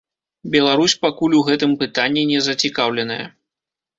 Беларусь пакуль у гэтым пытанні не зацікаўленая.